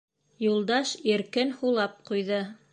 Юлдаш иркен һулап ҡуйҙы.